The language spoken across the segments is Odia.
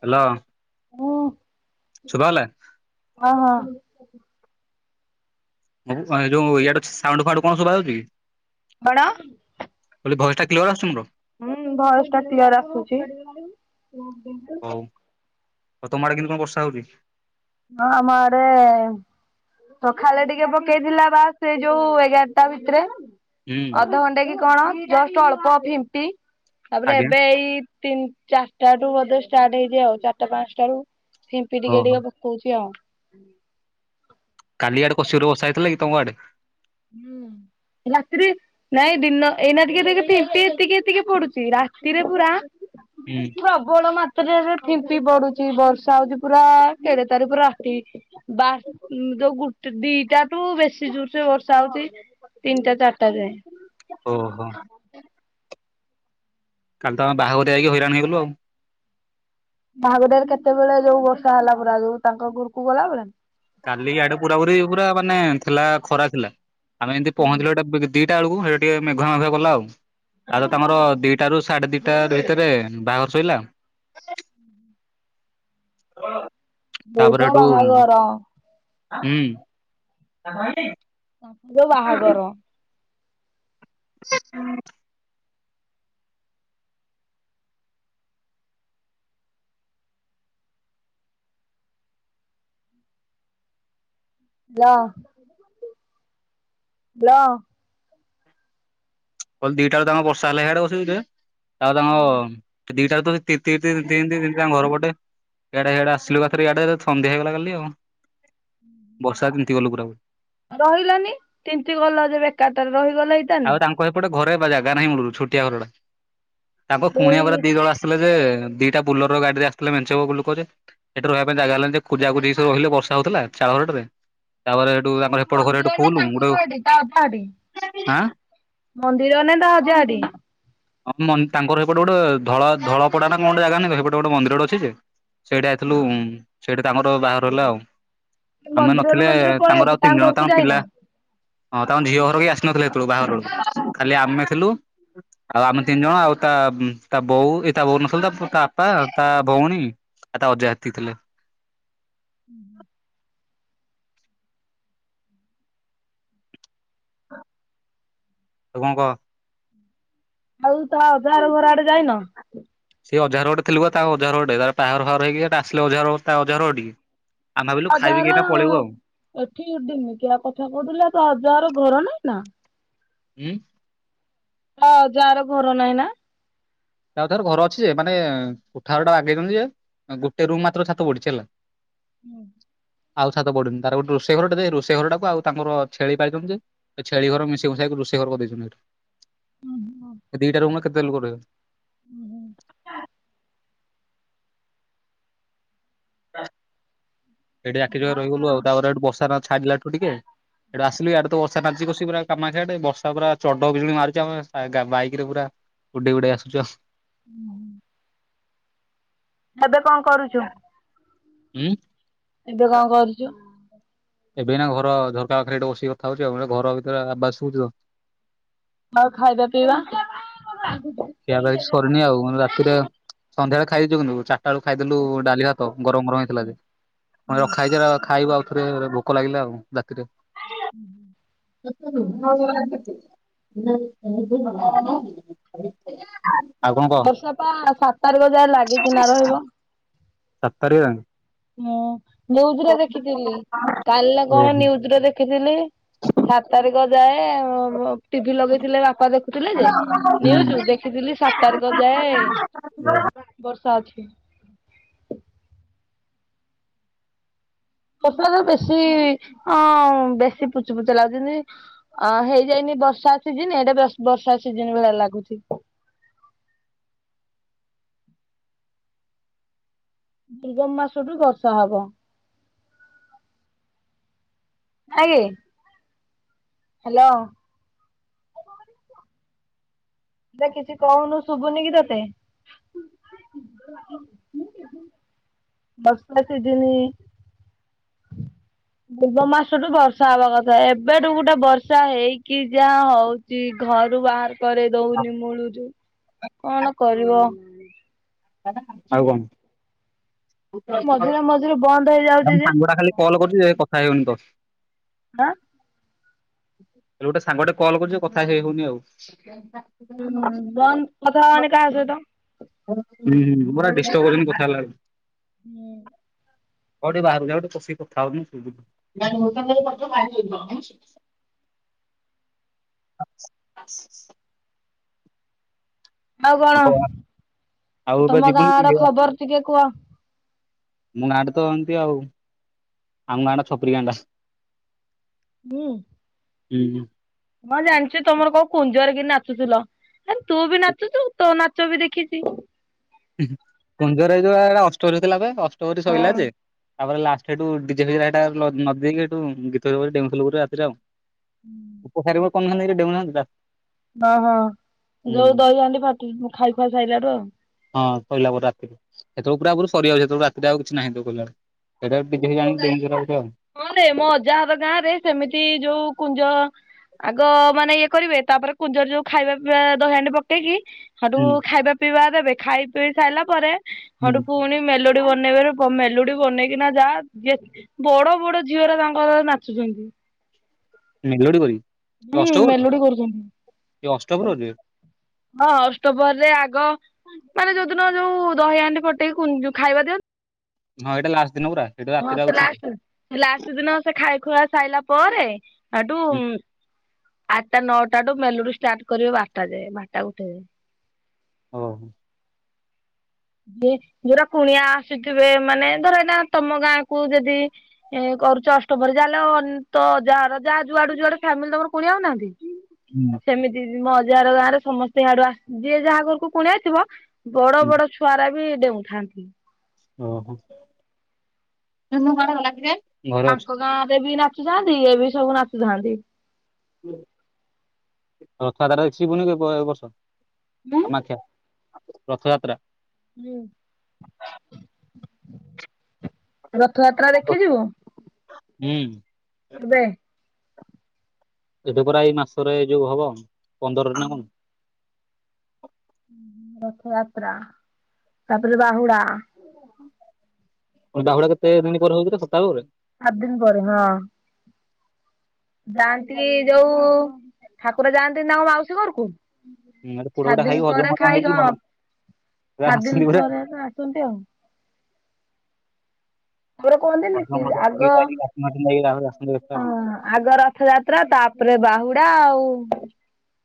ହାଲୋ। ହୁଁ। ଶୁଭାହେଲା? ହଁ ହଁ। ଏ ଯୋଉଁ ଇଆଡୁ ସାଉଣ୍ଡ ଫାଉଣ୍ଡ କଣ ଶୁଭା ଯାଉଛି କି? କଣ? ମୁଁ କହିଲି ଭଏସଟା କ୍ଲିୟର ଆସୁଛି ମୋର? ହୁଁ। ଭଏସଟା କ୍ଲିୟର ଆସୁଛି। ହ ହଉ। ହଉ ତମ ଆଡେ କେମତି କଣ ବର୍ଷା ହଉଛି? ହଁ, ଆମ ଆଡ଼େ ସଖାଳେ ଟିକେ ପକେଇଥିଲା ବା ସେ ଯୋଉ ଏଗାରଟା ଭିତରେ ହୁଁ ଅଧଘଣ୍ଟେ କି କଣ? ଜଷ୍ଟ ଅଳ୍ପ ଫିମ୍ପି। ତାପରେ ଆଜ୍ଞା ଏବେ ଏଇ ତିନ ଚାରିଟାରୁ ବୋଧେ ଷ୍ଟାର୍ଟ ହେଇଚି ଆଉ। ଚାରିଟା ପାଞ୍ଚଟାରୁ ଫିମ୍ପି ଟିକେ ଓହୋ ଟିକେ ପକଉଛି ଆଉ। କାଲି ଆଡେ ପଶ୍ଚିମରୁ ବର୍ଷା ହେଇଥିଲା କି ତମ ଆଡେ? କାଲି ରାତିରେ ନାଇଁ ଦିନ, ଏଇନା ଟିକେ ଦେଖ ଫିମ୍ପି ଏତିକି ଏତିକି ପଡୁଛି, ରାତିରେ ପୁରା ହୁଁ ପ୍ରବଳ ମାତ୍ ମାତ୍ରାରେ ଫିମ୍ପି ପଡୁଛି, ବର୍ଷା ହଉଛି ପୁରା କେଡେ ତାରି ପୁରା ରାତି ବା ଉମ୍ ଯୋଉ ଗୋଟେ ଦିଟାଠୁ ବେଶି ଜୋରସେ ବର୍ଷ ବର୍ଷା ହଉଛି, ତିନିଟା ଚାରିଟା ଯାଏଁ। ଓହୋ। କାଲି ତ ଆମେ ବାହାଘରିଆ ଯାଇକି ହଇରାଣ ହେଇଗଲୁ ଆଉ। ବାହାଘରିଆରେ କେତେବେଳେ ଯୋଉ ବର୍ଷା ହେଲା ପୁରା ଯୋଉ ତାଙ୍କ ଘୁରକୁ ଗଲାବେଳେ? କାଲି ଆଡ଼େ ପୁରା ପୁରି ପୁରା ମାନେ ଥିଲା ଖରା ଥିଲା, ଆମେ ଯେମତି ପହଞ୍ଚିଲୁ ଏଟା ବି-ବି ଦିଟା ବେଳକୁ ସେଇଟା ଟିକେ ମେଘୁଆ ମେଘୁଆ କଲା ଆଉ। ଆଉ ତ ତମର ଦିଟ୍ ଦିଟାରୁ ସାଢ଼େଦିଟା ଭିତେରେ ବାହାଘର ସଇଲା [unintelligible] ଯୋଉ ତାପରେ ତ ହେଠୁ ବାହାଘର। ହୁଁ। ତମ ଯୋଉ ବାହାଘର। ହୁଁ। Hello, hello. କହିଲି ଦିଟା ବେଳକୁ ତାଙ୍କର ବର୍ଷା ହେଲା ଇଆଡ଼େ ବସିକି ଯେ, ତାପରେ ତାଙ୍କ ଦିଟାରୁ ତ ତିନ୍ତି ତିନ୍ତି ତିନ୍ତି ତିନ୍ତି ତିନ୍ତି ତାଙ୍କ ଘର ପଟେ ଇଆଡ଼େ ଇଆଡ଼େ ଆସିଲୁ ଏକାଥରେ ଇଆଡ଼େ ତ ସନ୍ଧ୍ୟା ହେଇଗଲା କାଲି ଆଉ। ବର୍ଷାରେ ତିନ୍ତି ଗଲୁ ପୁରା ପୁରି। ରହିଲନି, ତିନ୍ତି ଗଲ ଯେ ବେକାରଟାରେ ରହିଗଲେ ଏ ଆଉ ତାଙ୍କ ସେପଟେ ଘରେ ବା ଜାଗା ନାହିଁ ମୁଳୁରୁ, ଛୋଟିଆ ଘରଟା। ତାଙ୍କ ଦୁଇ କୁଣିଆ ପରା ଦି ଦଳ ଆସିଥି ସିଥିଲେ ଯେ, ଦିଟା ବୋଲଲରର ଗାଡ଼ିରେ ଆସିଥିଲେ ମେଞ୍ଚେ ବାକୁ ଲୋକ ଯେ ସେଠି ରହିବା ପାଇଁ ଜାଗା ହେଲାନି ଯେ, କୁଜା କୁୁଜି ହେଇକି ସବୁ ରହିଲେ ବର୍ଷା ହଉଥିଲା, ଚାଳ ଘରଟାରେ। ତାପରେ ଟୁ ତାଙ୍କର ସେପଟ ଘରେ ସେଠୁ ଫୁଲୁ, ଉମ୍ ଗୋଟେ [unintelligible] ଆଁ? ମନ୍ଦିରରେ ନା ତା ଅଜା ଘରଟି? ହଁ ମନ୍ ତାଙ୍କର ସେପଟେ ଗୋଟେ ଧଳ-ଧଳପଡ଼ା ନା କଣ ଗୋଟେ ଜାଗା ନାହିଁ, ସେପଟେ ଗୋଟେ ମନ୍ଦିରଟେ ଅଛି ଯେ ସେଇଠିକି ଆଇଥିଲୁ, ସେଇଠି ତାଙ୍କର ବାହାଘର ହେଲା ଆଉ। ଆମେ ମନ୍ଦିରରୁ ନଥିଲେ ମନ୍ଦିର ପଳେଇଛ ତାଙ୍କର ଆଉ ତିନି ଜଣ ଘରକୁ ତାଙ୍କ ପିଲା ଯାଇନ? ହଁ, ତାଙ୍କ ଝିଅ ଘର ବି ଆସି ନଥିଲେ ସେତେବେଳକୁ ବାହାଘରକୁ ଖାଲି ଆମେ ଥିଲୁ ଆଉ ଆମେ ତିନି ଜଣ ଆଉ ତା ତା ବୋଉ ଏ ତା ବୋଉ ନଥିଲେ ତା ତା ବାପା ତା ଭଉଣୀ ଆଉ ତା ଅଜା ହେତିକି ଥିଲେ। ହୁଁ ହୁଁ। ଆଉ କଣ କହ? ଆଉ ତା ଅଜା ଘର ଘର ଆଡ଼େ ଯାଇନ? ସେ ଅଜା ଘରେ ଗୋଟେ ଥିଲୁ ପା ତା ଅଜାଘର ଗୋଟେ ତାର ବାହାଘର ଫାହାଘର ହେଇକି ଆସିଲେ ଅଜାଘର ତା ଅଜା ଘର ଘଟିକି। ଆମେ ଭାବିଲୁ ଖାଇପିକି ଏଇନା ପଳେଇବୁ ଆଉ [unintelligible] [unintelligible] ତା ଅଜା ଘର ଘର ନାହିଁ ନା? ତାପରେ ତାଙ୍କର ଘର ଅଛି ଯେ ମାନେ କୋଠାଘର ଟା ବାଗେଇଛନ୍ତି ଯେ ଗୋଟେ ରୁମ୍ ମାତ୍ର ଛାତ ପଡ଼ିଛି ହେଲା ହୁଁ। ଆଉ ଛାତ ପଡ଼ିନି ତାର ଗୋଟେ ରୋଷେଇ ଘର ଟେ ଯେ ରୋଷେଇ ଘର ଟାକୁ ଆଉ ତାଙ୍କର ଛେଳି ପାଳିଛନ୍ତି ଯେ ଛେଳି ଘର ମିଶେଇ ମିଶାଇକି ରୋଷେଇ ଘର କରିଦେଇଛନ୍ତି ସେଠି। ଦିଟା ରୁମରେ କେତେ ଲୋକ ରହିବେ? ସେଠି ଜାକି ଜୁକି ହେଇକି ରହିଗଲୁ ଆଉ ତାପରେ ସେଠୁ ବର୍ଷା ଛାଡି଼ଲାଠୁ ଟିକେ ସେଠୁ ଆସିଲୁ ଆଡ଼େ ବର୍ଷା ନାଦୁଛି କସିକରି ପୁରା କାମାକ୍ଷା ଆଡ଼େ ବର୍ଷା ପୁରା ଚଡ଼ ବିଜୁଳି ମାରୁଛି ଆମେ ବାଇକ୍ ରେ ପୁରା ଉଡ଼େଇ ଉଡ଼ାଇ ଆସିଛୁ ଆଉ। ହୁଁ ଏବେ କଣ କରୁଛୁ? ହୁଁ? ଏବେ କଣ କରୁଛୁ? ଏବେ ଏଇନା ଘର ଝରକା ପାଖରେ ବସିକି କଥା ହଉଛି ଆଉ ଘର ଭିତରେ ଆବାଜ ଶୁଭୁଚି ତ। ଆଉ ଖାଇବା ପିଇବା? ଖିଆପିଆ କିଛି ସରିନି ଆଉ ରାତିରେ ସଂଧ୍ୟାବେଳେ ଖାଇଦେଇଛୁ କିନ୍ତୁ ଚାରିଟା ବେଳେ ଖାଇଦେଲୁ ଡାଲି, ଭାତ ଗରମ ଗରମ ହେଇ ରାଇ ଖାଇବ ଆଉ ଖାଇବୁ ଆଉ ଥରେ ଭୋକ ଲାଗିଲା ଆଉ ରାତିରେ। ହ ହୁଁ [unintelligible] ବର୍ଷା ପା ସାତ ତାରିଖ ଯାଏ ଲାଗିକ ନା ରହିବ। ସାତ୍ ତାରିକ ଯାଏ? ହୁଁ ନିୁଜରେ ଦେଖିଥିଲି। କା କଣ ଓହୋ ନିୁଜରେ ଦେଖିଥିଲି ସାତ ତାରିଖ ଯାଏ ଟିଭି ଲଗେଇଥିଲେ ବାପା ଦେଖୁଥିଲେ ଯେ ନିଉଜ। ହୁଁ। ଦେଖିଥିଲି ସାତ ତାରିଖ ଯାଏ ବର୍ଷା ଅଛି। ପର ବେଶୀ ଅ ବେଶୀ ପୁଚୁ ପୁଚ ଲାଗୁଛି ଯେମିତି ଅଁ ହେଇଯାଇନି ବର୍ଷା ସିଜନ ଏଇଟା ବର୍ଷା ସିଜ ଭଳିଆ ଲାଗୁଛି। ଦୁର୍ଗମ ମାସଠୁ ବର୍ଷା ହବ। [unintelligible] ହ୍ୟାଲୋ ହେ କିଛି କହୁନୁ ଶୁଭୁନି କି ତତେ? [unintelligible] ପୂର୍ବ ମାସଠୁ ବର୍ଷା ହବା କଥା ଏବେଠୁ ଗୋଟେ ବର୍ଷା ହେଇକି ଯାହା ହଉ ଛି ଘରୁ ବାହାର କରେଇ ଦଉନି ମୁଳୁରୂ କଣ କରିବ? ଆଉ କଣ? [unintelligible] ମଝିରେ ମଝିରେ ବନ୍ଦ ହେଇଯାଉଛି ଯେ ସାଙ୍ଗଟା ଖାଲି କଲ୍ କରୁଛି ଏ କଥା ହେଇଗନି ତ। ଦା ଏବେ ଗୋଟେ ସାଙ୍ଗ ଗୋଟେ କଲ୍ କରୁଛୁ, କଥା ହେଇ ହଉନି ଆଉ। [inaudible] ହୁଁ ବନ୍ଦ କଥା ଉଁ, ହବାନି କାହା ସହିତ ହୁଁ ପୁରା ଡିଷ୍ଟପ୍ କରୁଛନ୍ତି କଥା ହେଲାବେଳେ। ନୋ କୋଉଠି ବାହାରକୁ ଯାଉନୁ ବସିକି କଥା ହମି ସେଇ ଯୋଗୁ। ଯଦି ମୂର୍ଖାମି ରେ ପଡିଯିବ ଭାରିହେଇଯିବିନି। [inaudible] ଆଉ କଣ, ଆଉ ଏବେ ତୋମ ଗାଁ ଯିବୁନି କି ଆଡ ଆମ ଖବର ଟିକେ କୁଅ? ଆମ ଗାଁଟା ତ ଏମତି ଆଉ, ଆମ ଗାଁଟା ଛପରି ଗାଁଟା। ମୁଁ ହୁଁଁ। ହଁ ଜାଣିଛି ତୋମର କୋଉ କୁଞ୍ଜରେ କି ନାଚୁଥିଲ, ହେନ୍ ତୁ ବି ନାଚୁଚୁ, ତୋ ନା ଚ ବି ଦେଖିଚି। ଉଁ, ହୁଁ, କୁଞ୍ଜର ଏଇ ଯୋଉ ଆ, ଏଟା ଅଷ୍ଟରୀ ହଉଥିଲା ବେ ଅଷ୍ଟପ୍ରହରୀ ସଇଲା ଯେ। ହଁ ତାପରେ ଲଷ୍ଟ ସେଠୁ ଡିଜେ ଫିଜେ ରେ ହେଟା ଲ-ନଦି ଦେଇକି ହେଠୁ ଉଁ, ଗୀତ [unintelligible] ଡେଉଁ ଥୁଲୁ ପୁରା ରାତିରେ ଆଉ। ଉପସାରୀବ କ [unintelligible] ଡେଉଁନାହାନ୍ତି ତ। ହଁ, ହଁ ଯୋଉ ଦହି ହାଣ୍ଡି ଫାଟି ଖାଇ ଖୁଆ ସାଇଲାଠୁ ଆଉ। ହଁ ସଇଲା ପରେ ରାତିରେ ସେତେବେଳୁ ପୁରା ପୁରୁ ସରିବ ଯେହେତୁ ରାତିରେ ଆଉ କିଛି ନାହିଁ ତ କଲାଳ। ସେଇଟା ଡିଜେ ଫିଜେ ଆଣିକି ଡେଇଁକି ସେରା ଗୋଟେ ଆଉ। ହଁ ରେ ମୋ ଅଜା ହର ଗାଁ ରେ ସେମିତି ଯୋଉ କୁଞ୍ଜ ଆଗ ମାନେ ଇଏ କରିବେ, ତାପରେ କୁଞ୍ଜର ରେ ଯୋଉ ଖାଇବା ପିଇବା ଦହିଆଣ୍ଡି ପକେଇକି ସେଠୁ ହୁଁ ଖାଇବା ପିଇବା ଦେବେ ଖାଇ ପିଇ ସାଇଲା ପରେ ହଠୁ ପୁଣି ମେଲୋଡି ବନେଇବାରେ ପ-ମେଲୋଡି ବନେଇକିନା ଯା ଯେ ବଡ ବଡ ଝିଅ ଉରା ତାଙ୍କର ନାଚୁଛନ୍ତି। ମେଲୋଡି କରିକି? ହୁଁ, ମେଲୋଡି ଏ କରୁଛନ୍ତି। ଅଷ୍ଟପ୍ରହରୀରେ ହଁ ଅଷ୍ଟପ୍ରହରୀ ରେ ଆଗ ତାଙ୍କର ଯୋଉଦିନ ଯୋଉ ଦହି ହାଣ୍ଡି ଫଟେଇ କୁ- ଯୋଉ ଖାଇବା ଦିଅ ହଁ ଏଟା ଲାଷ୍ଟ ଦିନ ପୁରା? ହଁ ସେ ଲାଷ୍ଟ ଦି, ସେ ଲାଷ୍ଟ ଦିନ ସେ ଖାଇ ଖୁଆ ସାଇଲା ପରେ ଏଠୁ ହୁଁ ଉଁ, ଆଟା ନଅଟାଠୁ ମେଲୋଡି ଷ୍ଟାର୍ଟ କରିବେ ବାରଟା ଯାଏ। ବାରଟା ଗୋଟେ ଯାଏ। ଓ ହଁ। ଯେ ଯୋଉରା କୁଣିଆ ଆସୁଥିବେ, ମାନେ ଧର ଏଇନା ତୋମ ଗାଁକୁ ଯଦି ଏ କରୁଚ ଅଷ୍ଟପ୍ରହରୀ ଯା ହେଲେ ଅନ୍ ତ ଯାହାର ଯା ଯୁଆଡୁ ଯୁଆଡୁ ଫ୍ୟାମିଲି ତୋମର କୁଣିଆ ଆଉନାହାନ୍ତି? ହୁଁ ସେମିତି ମୋ ଅଜା ଘର ଗାଁ ରେ ସମସ୍ତେ ସିଆଡୁ ଆ, ଯିଏ ଯାହା ଘରକୁ କୁଣିଆ ଆଇଥିବ ବଡ ବଡ ଛୁଆଉରା ବି ଡେଉଁଥାନ୍ତି। ଓ ହଁ। ତାଙ୍କ ଗାଁ ରେ ବି ନାଚୁଥାନ୍ତି, ଇଏ ବି ସବୁ ନାଚୁଥାନ୍ତି। ରଥଯାତ୍ରା ଦେଖିବୁନି କି ଏବ ଏ ବର୍ଷ ହୁଁ। କାମାକ୍ଷା? ରଥଯାତ୍ରା? ମୁଁ, ରଥଯାତ୍ରା ଦେଖି ଯିବୁ? ହୁଁ। ଏବେ? ଏବେ ପରା ଏଇ ମାସରେ ଯୋଉ ହବ ପନ୍ଦରରେ ନା କଣ? ରଥଯାତ୍ରା ତାପରେ ବାହୁଡା। ହଁ ବାହୁଡ଼ା କେତେ ଦିନି ପରେ ହବ [unintelligible] ସପ୍ତାହ ପରେ? ସାତ ଦିନ ପରେ ହଁ। ଯାଆନ୍ତି ଯୋଉ ଠାକୁର ଯାଆନ୍ତିନି ତାଙ୍କ ମାଉସୀ ଘରକୁ ପୋଡ ସାତ ପିଠା ଦିନ ଖାଇକି ହଜମ ପରେ ଫଜମ ଖାଇ ହେଇକି କଁ ପୁରା ସାତ ଦିନ ଆସନ୍ତି ପୁରା ପରେ ତ ଆସନ୍ତି ଆଉ। ଘରେ କୁହନ୍ତିନି କି ହଜମ ଆଗ ଫଜମ କରିକି ଆସନ୍ତି ପୁରା। ହଁ ଆଗର ରଥଯାତ୍ରା ତାପରେ ବାହୁଡା ଆଉ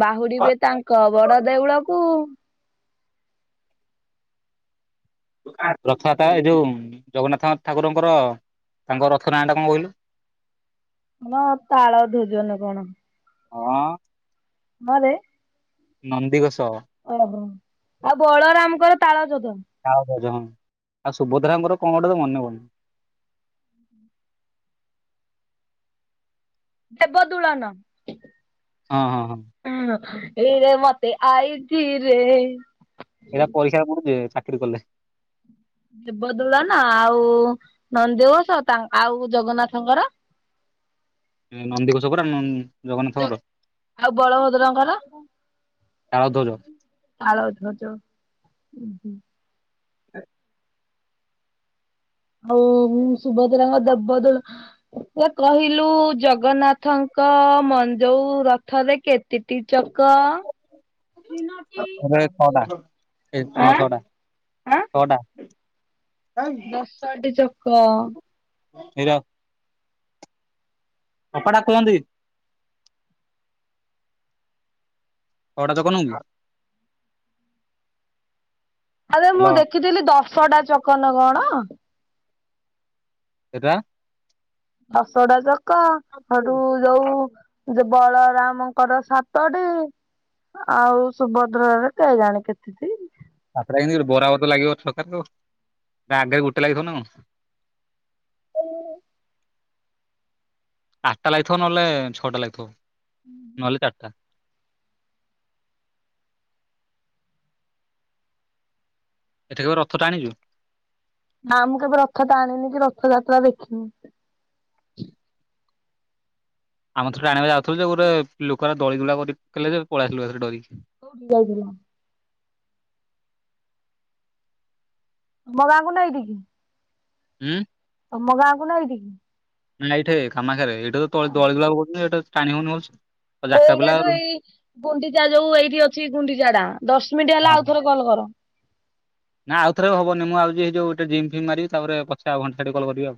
ବାହୁଡିବେ ତାଙ୍କ ବଡ ଦେଉଳକୁ। ରଥଯାତ୍ରା ଏ ଯୋଉ ଜଗନାଥ ଠାକୁରଙ୍କର ତାଙ୍କ ରଥ ନାଆଟା କଣ କହିଲୁ? [inaudible] ନା ତାଳଧ୍ଵଜ ନା କଣ? ହଁ ନାରେ। ନନ୍ଦିଘୋଷ। ଓହୋ ଆଉ ବଳରାମଙ୍କର ତାଳଧ୍ଵଜ। ତାଳଧ୍ଵଜ ହଁ ଆଉ ସୁଭଦ୍ରାଙ୍କର କଣ ଗୋଟେ ତ ମନେପ ଉଁ। ଦେବଦୁଳନ। ହଁ ହଁ ହଁ। ଉଁ ଏଇରେ ମତେ ଆଇଚିରେ। ଏରା ପରୀକ୍ଷାରେ ପଡୁଚି ଚାକିରି କଲେ। ଦେବଦୋଳନ ଆଉ ନନ୍ଦୀଘୋଷ ତାନ୍ ଆଉ ଜଗନ୍ନାଥଙ୍କର? ଏ ନନ୍ଦିଘୋଷ ପରା ନନ୍ ଜଗନ୍ନାଥଙ୍କର। ଆଉ ବଳଭଦ୍ରଙ୍କର ତାଳଧ୍ଵଜ। ତାଳଧ୍ଵଜ ଉଁହଁ। ଏ ଆଉ ଉଁ ସୁଭଦ୍ରା ଜଗନାଥ୍ ଦେବଦୋଳ ଇଏ କହିଲୁ ଜଗନ୍ନା ଥଙ୍କ ମନ୍ଦ୍ ଯୋଉ ରଥରେ କେତିଟି ଚକ? ଏଟାରେ ଛଅଟା ଏ ହଁ ଆଁ ଛଅଟା ଆଁ ଛଅଟା। ଦଶଟି ଚକ। ଏରା କପଡା କୁହନ୍ତି କି? ଛଅଟା ଚକ ନୁହଁ କି? ଆରେ ମୁଁ ହ୍ୟାଲୋ ଦେଖିଥିଲି ଦଶଟା ଚକ ନା କଣ? ଏଟା ଦଶଟା ଚକ ହେଠୁ ଯୋଉ ଯୋଉ ବଳରାମଙ୍କର ସାତଟି ଆଉ ସୁଭଦ୍ରାର କେଇଜାଣି କେତିଟି? ସାତଟା କେମତି କି ଗୋଟେ ବରା [unintelligible] ତ ଲାଗିବ ଛତାରେ ତୋ ତା ଆଗରେ ଗୋଟେ ଲାଗିଥିବ ନା କଣ? [unintelligible] ଆଟଟା ଲାଗିଥିବ ନହେଲେ ଛଅଟା ଲାଗିଥିବ ନହେଲେ ଚାରଟା। ଏଠି କେବେ ରଥ ଟାଣିଚୁ? ନା ମୁଁ କେବେ ରଥ ଟାଣିନି କି ରଥଯାତ୍ରା ଦେଖିନି। ଆମେ ଥରେ ଆଣିବାକୁ ଯାଉଥିଲୁ ଯେ ଗୁରେ ଲୋକ ଗୁରା ଦଳି ଦୁଳା କରି ପକେଇଲେ ଯେ ପଳେଇଆସିଲୁ ଡରିକି। କୋଉଠିକି ଯାଇଥିଲ? ତୁମ ଗାଁଙ୍କୁ ନା ଏଇଠିକି? ଉଁ। ତମ ଗାଁକୁ ନା ଏଇଠିକି? ନାଁ ଏଇଠି କାମାକ୍ଷାରେ। ଏଇଟେ ତ ଦଳିଦୁଳା ପକଉଛନ୍ତି ଏଇଟେ ଟାଣିହଉନି ଭଲସେ। ଆଉ ଜାକା ଏଇଟା ପିଲା ଯୋଉ ଆଉ। ଏଇ ଗୁଣ୍ଡିଚା ଯୋଉ ଏଇଠି ଅଛି ଗୁଣ୍ଡିଚାଟା। ଦଶ ମିନିଟି ହେଲା ଆଉ ଥରେ କଲ୍ କର। ନାଇଁ ଆଉଥରେ ହବନି। ମୁଁ ଆଉଚି ହେଇ ଯଉ ଗୋଟେ ଜିମ୍ ଫିମ୍ ମାରିବି ତାପରେ ପଛେ ଆଉ ଘଣ୍ଟେ ଛାଡ଼ି କଲ୍ କରିବି ଆଉ।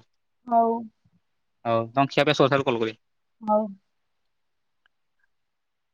ହଉ। ହଉ ତମ ଖିଆପିଆ ସରୁ କଲ୍ କରିିବି। ହଉ।